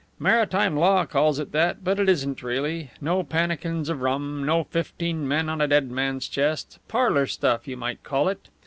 "Maritime law calls it that, but it isn't really. No pannikins of rum, no fifteen men on a dead man's chest. Parlour stuff, you might call it.